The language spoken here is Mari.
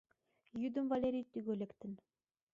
Йӱдым Валерий тӱгӧ лектын.